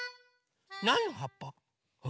なんのはっぱ？